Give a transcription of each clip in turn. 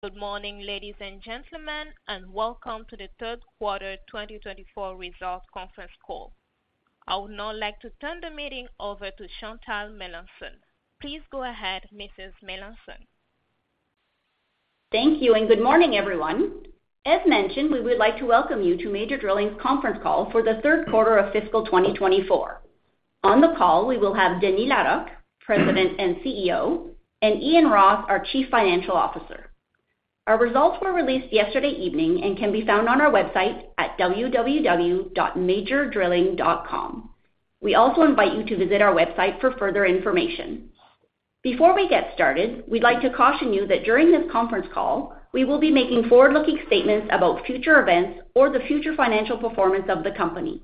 Good morning, ladies and gentlemen, and Welcome To The Q3 2024 Results Conference Call. I would now like to turn the meeting over to Chantal Melanson. Please go ahead, Mrs. Melanson. Thank you, and good morning, everyone. As mentioned, we would like to welcome you to Major Drilling's conference call for the Q3 of fiscal 2024. On the call, we will have Denis Larocque, President and CEO, and Ian Ross, our Chief Financial Officer. Our results were released yesterday evening and can be found on our website at www.majordrilling.com. We also invite you to visit our website for further information. Before we get started, we'd like to caution you that during this conference call, we will be making forward-looking statements about future events or the future financial performance of the company.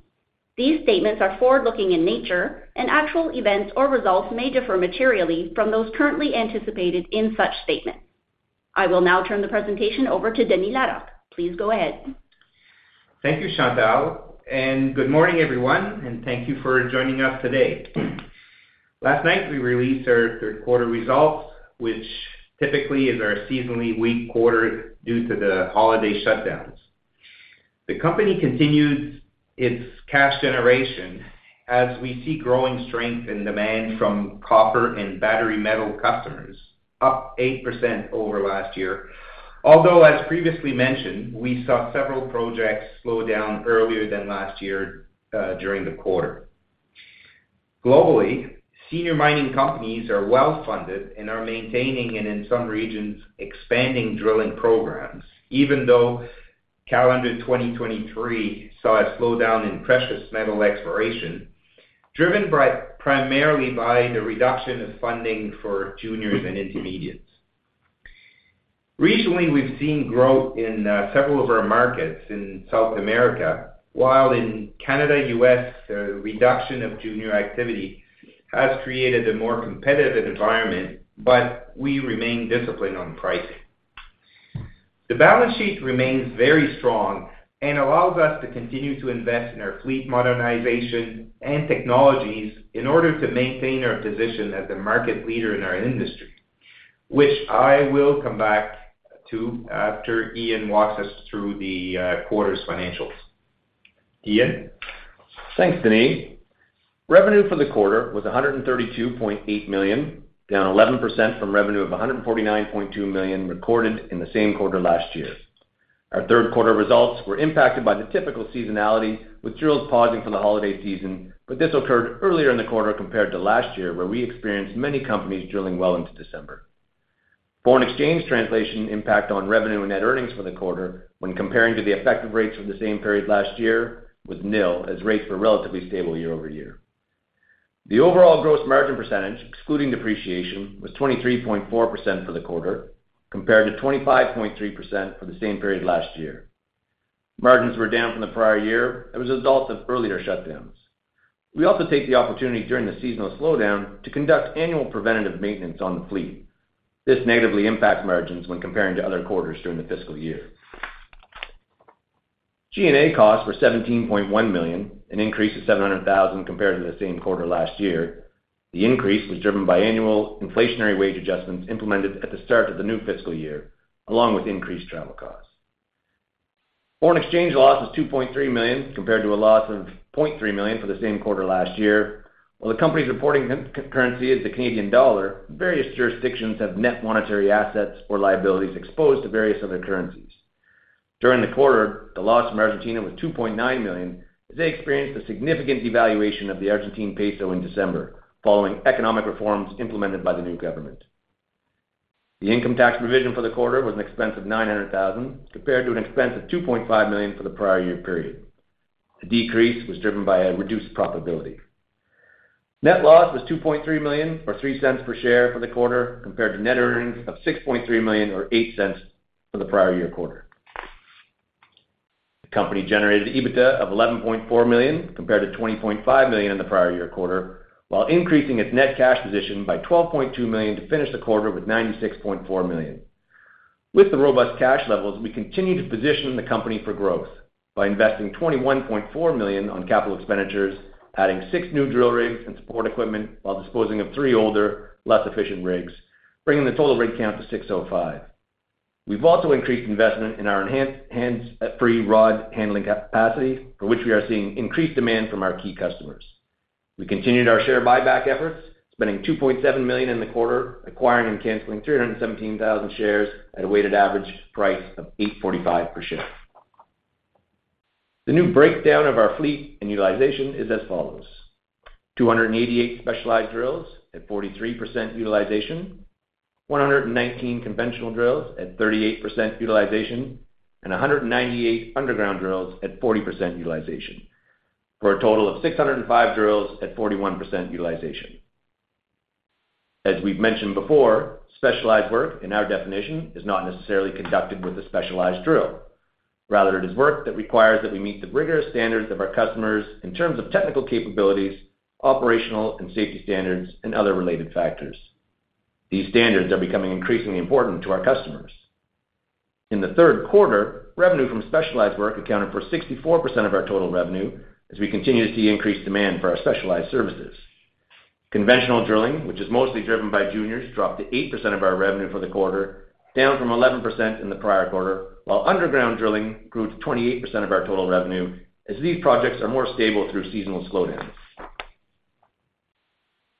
These statements are forward-looking in nature, and actual events or results may differ materially from those currently anticipated in such statements. I will now turn the presentation over to Denis Larocque. Please go ahead. Thank you, Chantal. Good morning, everyone, and thank you for joining us today. Last night we released our Q3 results, which typically is our seasonally weak quarter due to the holiday shutdowns. The company continues its cash generation as we see growing strength in demand from copper and battery metal customers, up 8% over last year, although, as previously mentioned, we saw several projects slow down earlier than last year during the quarter. Globally, senior mining companies are well-funded and are maintaining and, in some regions, expanding drilling programs, even though calendar 2023 saw a slowdown in precious metal exploration, driven primarily by the reduction of funding for juniors and intermediates. Regionally, we've seen growth in several of our markets in South America, while in Canada and the U.S., the reduction of junior activity has created a more competitive environment, but we remain disciplined on pricing. The balance sheet remains very strong and allows us to continue to invest in our fleet modernization and technologies in order to maintain our position as a market leader in our industry, which I will come back to after Ian walks us through the quarter's financials. Ian? Thanks, Denis. Revenue for the quarter was 132.8 million, down 11% from revenue of 149.2 million recorded in the same quarter last year. Our Q3 results were impacted by the typical seasonality, with drills pausing for the holiday season, but this occurred earlier in the quarter compared to last year, where we experienced many companies drilling well into December. Foreign exchange translation impact on revenue and net earnings for the quarter when comparing to the effective rates for the same period last year was nil, as rates were relatively stable year-over-year. The overall gross margin percentage, excluding depreciation, was 23.4% for the quarter, compared to 25.3% for the same period last year. Margins were down from the prior year as a result of earlier shutdowns. We also take the opportunity during the seasonal slowdown to conduct annual preventative maintenance on the fleet. This negatively impacts margins when comparing to other quarters during the fiscal year. G&A costs were 17.1 million, an increase of 700,000 compared to the same quarter last year. The increase was driven by annual inflationary wage adjustments implemented at the start of the new fiscal year, along with increased travel costs. Foreign exchange loss was 2.3 million compared to a loss of 0.3 million for the same quarter last year. While the company's reporting currency is the Canadian dollar, various jurisdictions have net monetary assets or liabilities exposed to various other currencies. During the quarter, the loss to Argentina was 2.9 million, as they experienced a significant devaluation of the Argentine peso in December following economic reforms implemented by the new government. The income tax provision for the quarter was an expense of 900,000 compared to an expense of 2.5 million for the prior year period. The decrease was driven by a reduced profitability. Net loss was 2.3 million or 0.03 per share for the quarter compared to net earnings of 6.3 million or 0.08 for the prior year quarter. The company generated EBITDA of 11.4 million compared to 20.5 million in the prior year quarter, while increasing its net cash position by 12.2 million to finish the quarter with 96.4 million. With the robust cash levels, we continue to position the company for growth by investing 21.4 million on capital expenditures, adding six new drill rigs and support equipment while disposing of three older, less efficient rigs, bringing the total rig count to 605. We've also increased investment in our hands-free rod handling capacity, for which we are seeing increased demand from our key customers. We continued our share buyback efforts, spending 2.7 million in the quarter, acquiring and canceling 317,000 shares at a weighted average price of 845 per share. The new breakdown of our fleet and utilization is as follows: 288 specialized drills at 43% utilization, 119 conventional drills at 38% utilization, and 198 underground drills at 40% utilization, for a total of 605 drills at 41% utilization. As we've mentioned before, specialized work, in our definition, is not necessarily conducted with a specialized drill. Rather, it is work that requires that we meet the rigorous standards of our customers in terms of technical capabilities, operational and safety standards, and other related factors. These standards are becoming increasingly important to our customers. In the Q3, revenue from specialized work accounted for 64% of our total revenue, as we continue to see increased demand for our specialized services. Conventional drilling, which is mostly driven by juniors, dropped to 8% of our revenue for the quarter, down from 11% in the prior quarter, while underground drilling grew to 28% of our total revenue, as these projects are more stable through seasonal slowdowns.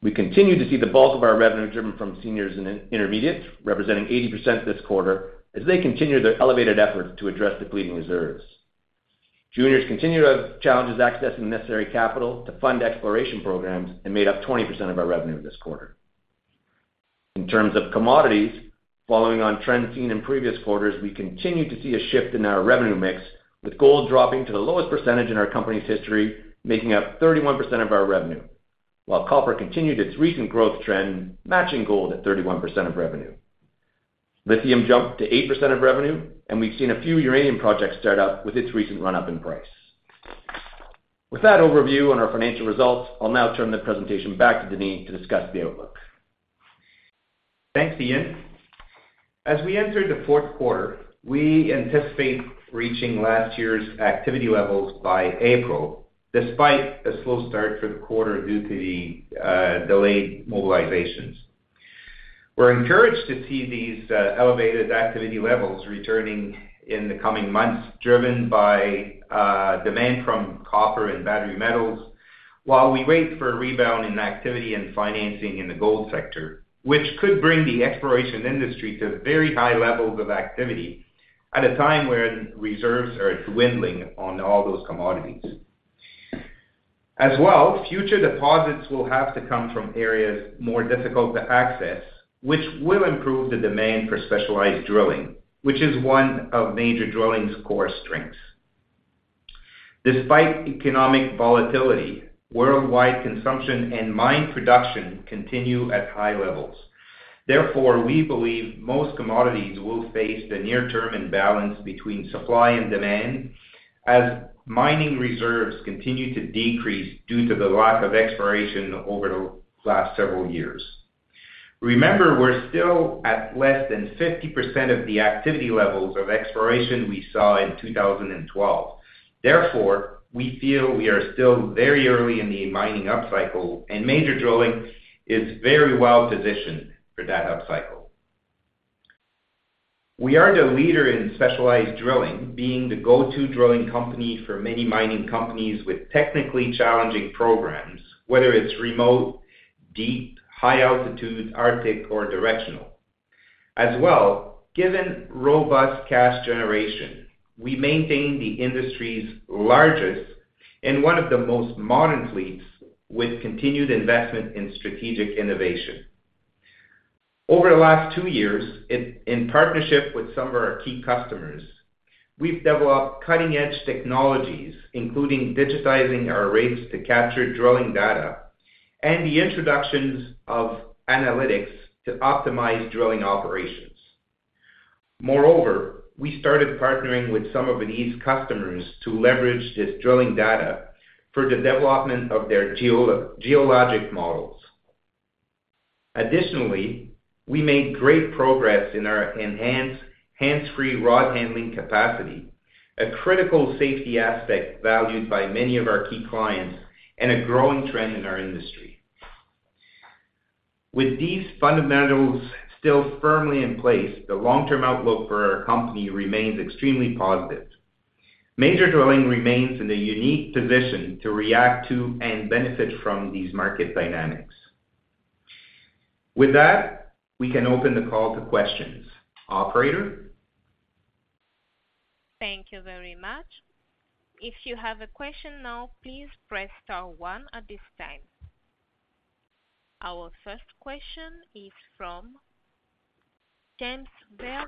We continue to see the bulk of our revenue driven from seniors and intermediates, representing 80% this quarter, as they continue their elevated efforts to address depleting reserves. Juniors continue to have challenges accessing necessary capital to fund exploration programs and made up 20% of our revenue this quarter. In terms of commodities, following on trends seen in previous quarters, we continue to see a shift in our revenue mix, with gold dropping to the lowest percentage in our company's history, making up 31% of our revenue, while copper continued its recent growth trend, matching gold at 31% of revenue. Lithium jumped to 8% of revenue, and we've seen a few uranium projects start up with its recent run-up in price. With that overview on our financial results, I'll now turn the presentation back to Denis to discuss the outlook. Thanks, Ian. As we enter the fourth quarter, we anticipate reaching last year's activity levels by April, despite a slow start for the quarter due to the delayed mobilizations. We're encouraged to see these elevated activity levels returning in the coming months, driven by demand from copper and battery metals, while we wait for a rebound in activity and financing in the gold sector, which could bring the exploration industry to very high levels of activity at a time where reserves are dwindling on all those commodities. As well, future deposits will have to come from areas more difficult to access, which will improve the demand for specialized drilling, which is one of Major Drilling's core strengths. Despite economic volatility, worldwide consumption and mine production continue at high levels. Therefore, we believe most commodities will face the near-term imbalance between supply and demand as mining reserves continue to decrease due to the lack of exploration over the last several years. Remember, we're still at less than 50% of the activity levels of exploration we saw in 2012. Therefore, we feel we are still very early in the mining upcycle, and Major Drilling is very well positioned for that upcycle. We are the leader in specialized drilling, being the go-to drilling company for many mining companies with technically challenging programs, whether it's remote, deep, high altitude, Arctic, or directional. As well, given robust cash generation, we maintain the industry's largest and one of the most modern fleets with continued investment in strategic innovation. Over the last two years, in partnership with some of our key customers, we've developed cutting-edge technologies, including digitizing our rigs to capture drilling data and the introductions of analytics to optimize drilling operations. Moreover, we started partnering with some of these customers to leverage this drilling data for the development of their geologic models. Additionally, we made great progress in our enhanced hands-free rod handling capacity, a critical safety aspect valued by many of our key clients and a growing trend in our industry. With these fundamentals still firmly in place, the long-term outlook for our company remains extremely positive. Major Drilling remains in a unique position to react to and benefit from these market dynamics. With that, we can open the call to questions. Operator? Thank you very much. If you have a question now, please press star one at this time. Our first question is from James Vail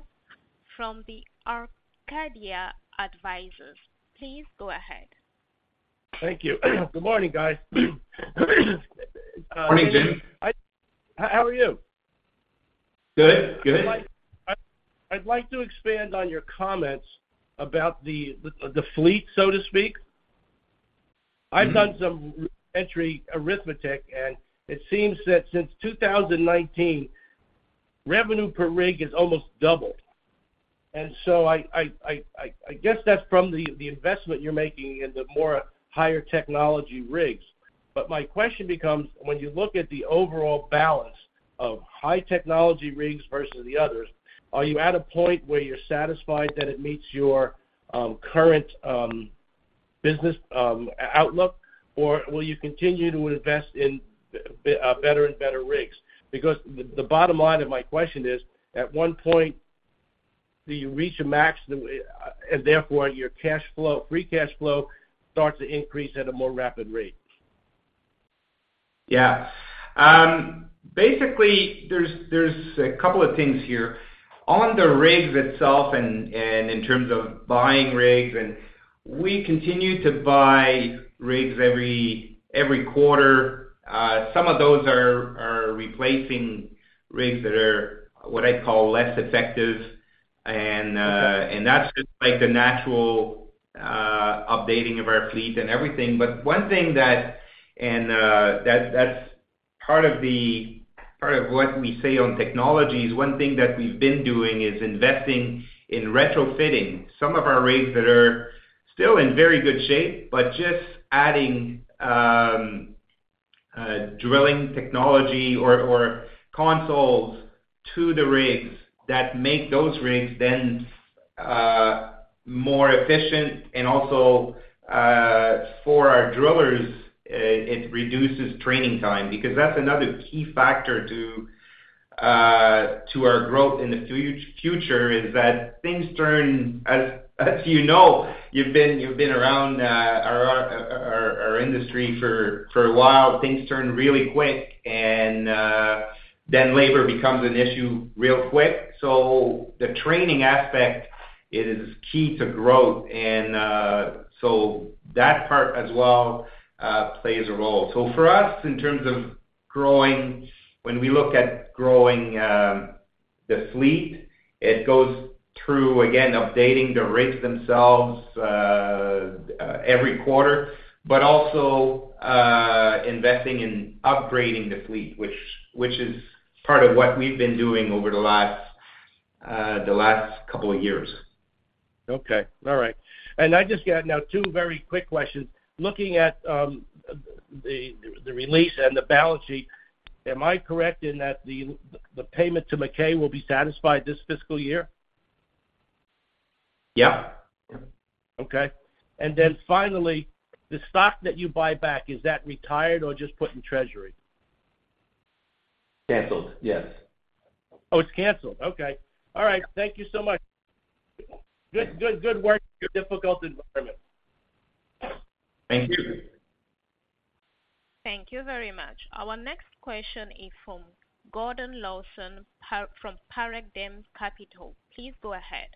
from the Arcadia Advisors. Please go ahead. Thank you. Good morning, guys. Morning, Jim. How are you? Good. Good. I'd like to expand on your comments about the fleet, so to speak. I've done some elementary arithmetic, and it seems that since 2019, revenue per rig has almost doubled. And so I guess that's from the investment you're making in the more higher technology rigs. But my question becomes, when you look at the overall balance of high technology rigs versus the others, are you at a point where you're satisfied that it meets your current business outlook, or will you continue to invest in better and better rigs? Because the bottom line of my question is, at one point, do you reach a maximum, and therefore your free cash flow starts to increase at a more rapid rate? Yeah. Basically, there's a couple of things here. On the rigs itself and in terms of buying rigs, we continue to buy rigs every quarter. Some of those are replacing rigs that are what I'd call less effective, and that's just the natural updating of our fleet and everything. But one thing, and that's part of what we say on technologies. One thing that we've been doing is investing in retrofitting some of our rigs that are still in very good shape, but just adding drilling technology or consoles to the rigs that make those rigs then more efficient. And also, for our drillers, it reduces training time. Because that's another key factor to our growth in the future, is that things turn, as you know, you've been around our industry for a while. Things turn really quick, and then labor becomes an issue real quick. So the training aspect is key to growth, and so that part as well plays a role. So for us, in terms of growing, when we look at growing the fleet, it goes through, again, updating the rigs themselves every quarter, but also investing in upgrading the fleet, which is part of what we've been doing over the last couple of years. Okay. All right. And I just got now two very quick questions. Looking at the release and the balance sheet, am I correct in that the payment to McKay will be satisfied this fiscal year? Yep. Okay. And then finally, the stock that you buy back, is that retired or just put in treasury? Canceled. Yes. Oh, it's canceled. Okay. All right. Thank you so much. Good work in your difficult environment. Thank you. Thank you very much. Our next question is from Gordon Lawson from Paradigm Capital. Please go ahead.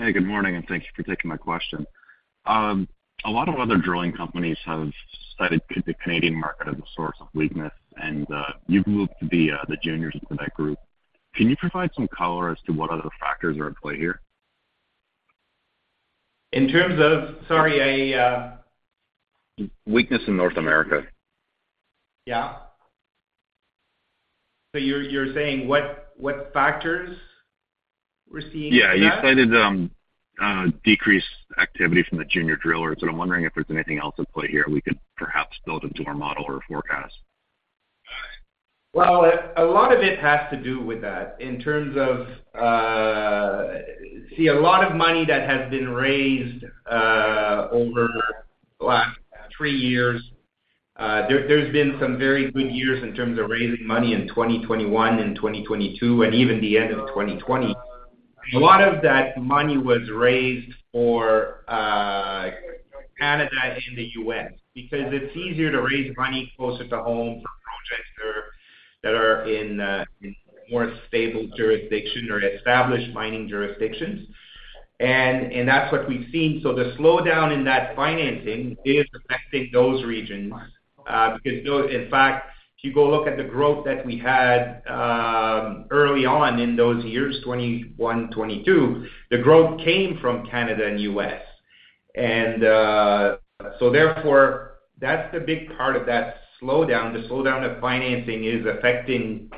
Hey. Good morning, and thank you for taking my question. A lot of other drilling companies have cited the Canadian market as a source of weakness, and you've moved to be the juniors within that group. Can you provide some color as to what other factors are at play here? In terms of sorry, a? Weakness in North America. Yeah. So you're saying what factors we're seeing here? Yeah. You cited decreased activity from the junior drillers, and I'm wondering if there's anything else at play here we could perhaps build into our model or forecast. Well, a lot of it has to do with that. In terms of see, a lot of money that has been raised over the last three years. There's been some very good years in terms of raising money in 2021 and 2022 and even the end of 2020. A lot of that money was raised for Canada and the U.S. because it's easier to raise money closer to home for projects that are in more stable jurisdiction or established mining jurisdictions. And that's what we've seen. So the slowdown in that financing is affecting those regions because, in fact, if you go look at the growth that we had early on in those years, 2021, 2022, the growth came from Canada and U.S. And so therefore, that's the big part of that slowdown. The slowdown of financing is affecting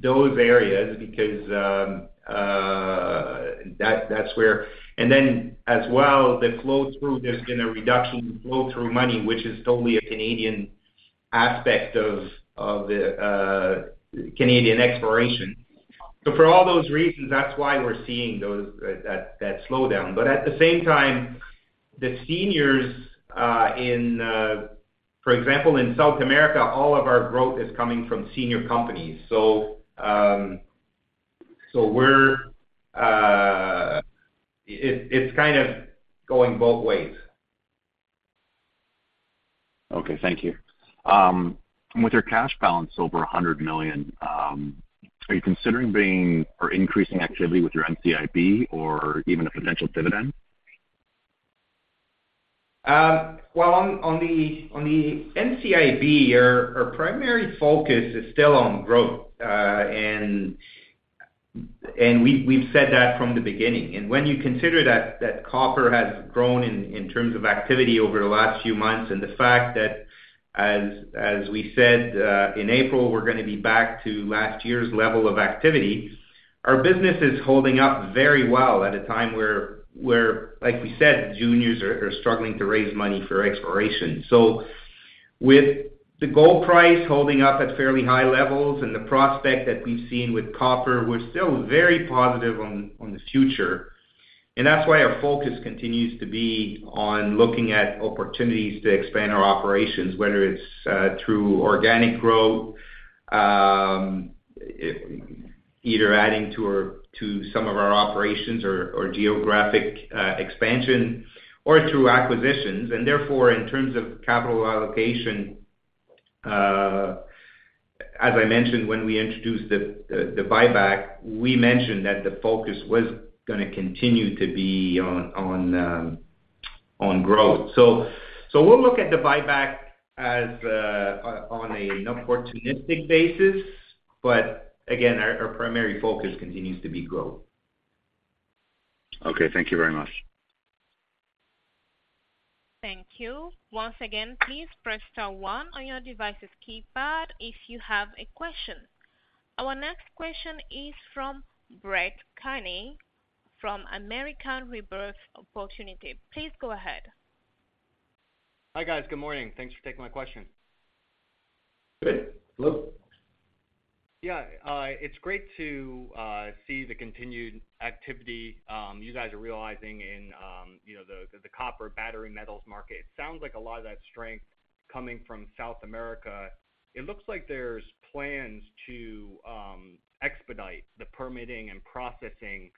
those areas because that's where and then as well, the flow-through, there's been a reduction in flow-through money, which is totally a Canadian aspect of Canadian exploration. So for all those reasons, that's why we're seeing that slowdown. But at the same time, the seniors in for example, in South America, all of our growth is coming from senior companies. So it's kind of going both ways. Okay. Thank you. With your cash balance over 100 million, are you considering increasing activity with your NCIB or even a potential dividend? Well, on the NCIB, our primary focus is still on growth, and we've said that from the beginning. And when you consider that copper has grown in terms of activity over the last few months and the fact that, as we said in April, we're going to be back to last year's level of activity, our business is holding up very well at a time where, like we said, juniors are struggling to raise money for exploration. So with the gold price holding up at fairly high levels and the prospect that we've seen with copper, we're still very positive on the future. And that's why our focus continues to be on looking at opportunities to expand our operations, whether it's through organic growth, either adding to some of our operations or geographic expansion, or through acquisitions. Therefore, in terms of capital allocation, as I mentioned, when we introduced the buyback, we mentioned that the focus was going to continue to be on growth. So we'll look at the buyback on an opportunistic basis, but again, our primary focus continues to be growth. Okay. Thank you very much. Thank you. Once again, please press star one on your device's keypad if you have a question. Our next question is from Brett Keaney from American Rebirth Opportunity. Please go ahead. Hi, guys. Good morning. Thanks for taking my question. Good. Hello? Yeah. It's great to see the continued activity you guys are realizing in the copper battery metals market. It sounds like a lot of that strength coming from South America. It looks like there's plans to expedite the permitting and processing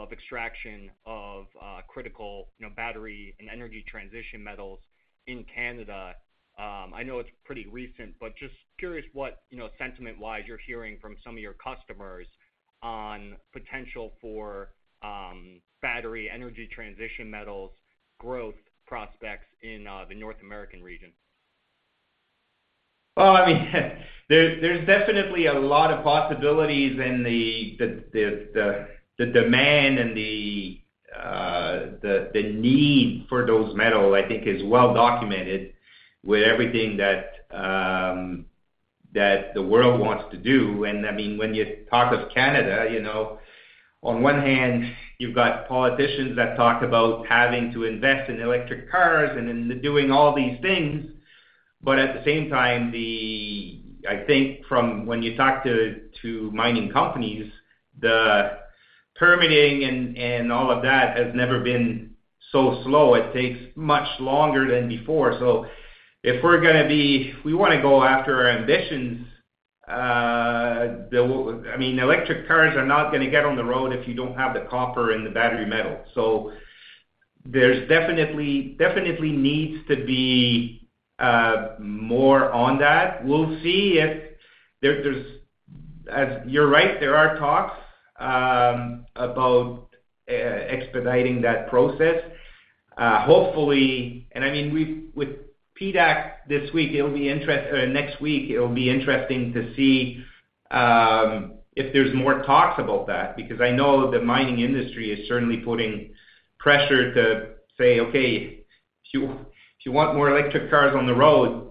of extraction of critical battery and energy transition metals in Canada. I know it's pretty recent, but just curious what, sentiment-wise, you're hearing from some of your customers on potential for battery energy transition metals growth prospects in the North American region. Well, I mean, there's definitely a lot of possibilities, and the demand and the need for those metals, I think, is well-documented with everything that the world wants to do. I mean, when you talk of Canada, on one hand, you've got politicians that talk about having to invest in electric cars and doing all these things. But at the same time, I think from when you talk to mining companies, the permitting and all of that has never been so slow. It takes much longer than before. So if we're going to be if we want to go after our ambitions, I mean, electric cars are not going to get on the road if you don't have the copper and the battery metal. So there's definitely needs to be more on that. We'll see if there's, as you're right, there are talks about expediting that process. I mean, with PDAC this week, it'll be interesting or next week, it'll be interesting to see if there's more talks about that because I know the mining industry is certainly putting pressure to say, "Okay. If you want more electric cars on the road,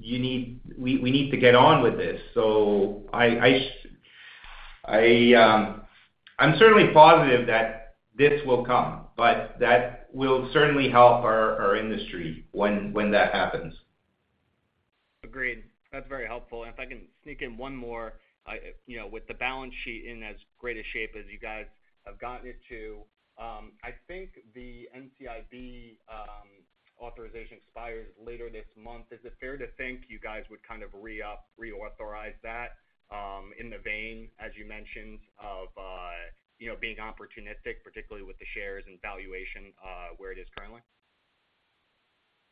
we need to get on with this." So I'm certainly positive that this will come, but that will certainly help our industry when that happens. Agreed. That's very helpful. If I can sneak in one more, with the balance sheet in as great a shape as you guys have gotten it to, I think the NCIB authorization expires later this month. Is it fair to think you guys would kind of reauthorize that in the vein, as you mentioned, of being opportunistic, particularly with the shares and valuation where it is currently?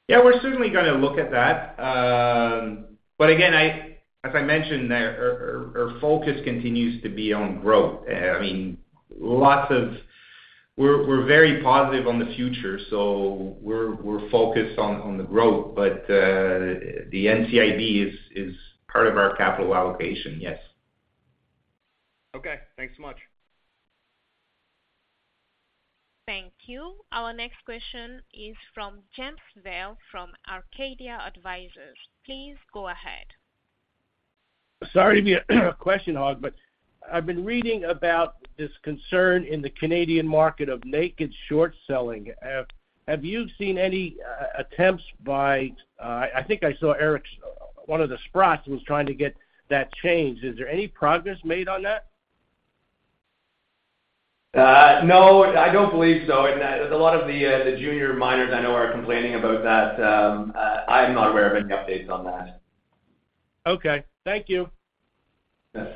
Yeah. We're certainly going to look at that. But again, as I mentioned, our focus continues to be on growth. I mean, we're very positive on the future, so we're focused on the growth. But the NCIB is part of our capital allocation. Yes. Okay. Thanks so much. Thank you. Our next question is from James Vail from Arcadia Advisors. Please go ahead. Sorry to be a question hog, but I've been reading about this concern in the Canadian market of naked short selling. Have you seen any attempts by? I think I saw Eric, one of the Sprotts, was trying to get that changed. Is there any progress made on that? No. I don't believe so. A lot of the junior miners I know are complaining about that. I'm not aware of any updates on that. Okay. Thank you. Yes.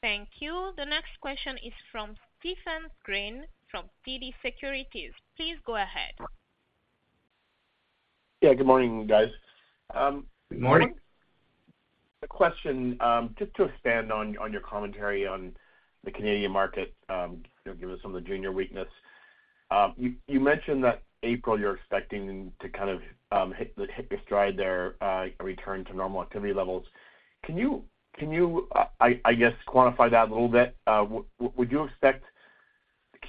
Thank you. The next question is from Steven Green from TD Securities. Please go ahead. Yeah. Good morning, guys. Good morning. A question just to expand on your commentary on the Canadian market, given some of the junior weakness. You mentioned that April you're expecting to kind of hit your stride there, a return to normal activity levels. Can you, I guess, quantify that a little bit? Would you expect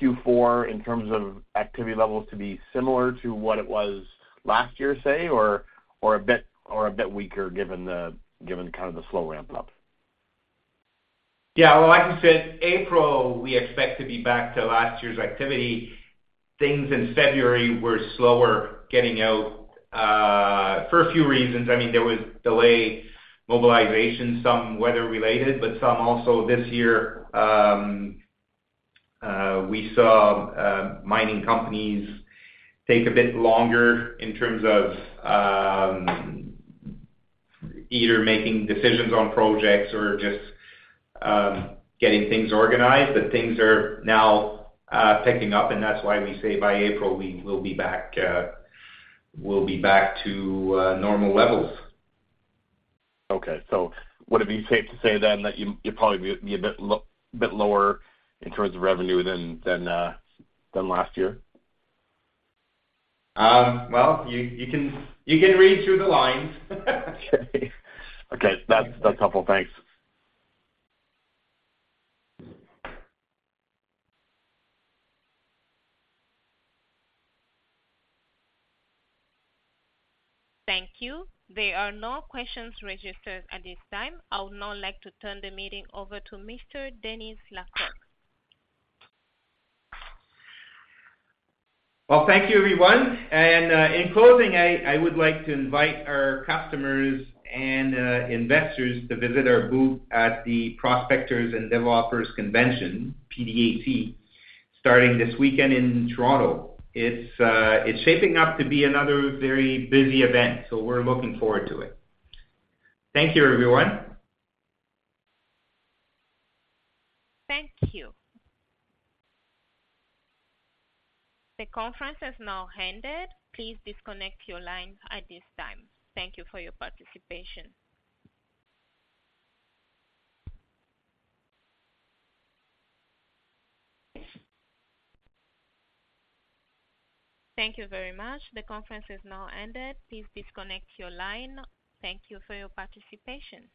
Q4 in terms of activity levels to be similar to what it was last year, say, or a bit weaker given kind of the slow ramp-up? Yeah. Well, like you said, April, we expect to be back to last year's activity. Things in February were slower getting out for a few reasons. I mean, there was delayed mobilization, some weather-related, but some also this year, we saw mining companies take a bit longer in terms of either making decisions on projects or just getting things organized. But things are now picking up, and that's why we say by April, we'll be back to normal levels. Okay. Would it be safe to say then that you'd probably be a bit lower in terms of revenue than last year? Well, you can read through the lines. Okay. That's helpful. Thanks. Thank you. There are no questions registered at this time. I would now like to turn the meeting over to Mr. Denis Larocque. Well, thank you, everyone. And in closing, I would like to invite our customers and investors to visit our booth at the Prospectors and Developers Convention, PDAC, starting this weekend in Toronto. It's shaping up to be another very busy event, so we're looking forward to it. Thank you, everyone. Thank you. The conference is now ended. Please disconnect your line at this time. Thank you for your participation. Thank you very much. The conference is now ended. Please disconnect your line. Thank you for your participation.